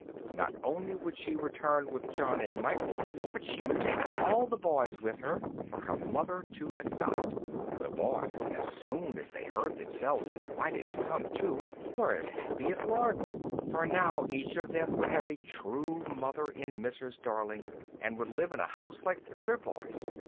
Not only would she return with John and Michael, but she would take all the Boys with her, for her mother to adopt. The Boys, as soon as they heard themselves invited to come too, were as happy as larks. For now each of them would have a true mother in Mrs. Darling, and would live in a house like other boys.